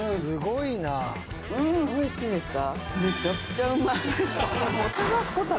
おいしいですか？